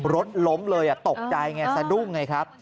รถล้มเลยตกใจไงสะดุ้งไงครับ